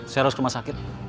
saya harus ke rumah sakit